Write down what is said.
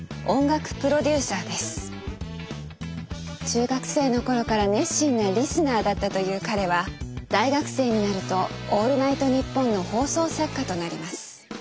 中学生の頃から熱心なリスナーだったという彼は大学生になると「オールナイトニッポン」の放送作家となります。